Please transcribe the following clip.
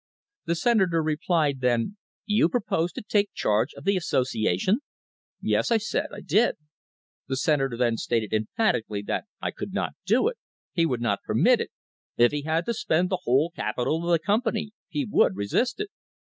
The Senator replied then: 'You propose to take charge of the association ?' 'Yes,' I said; 'I did.' The Senator then stated emphatically that I could not do it; he would not permit it; if he had to spend the whole capital of the company he would resist it.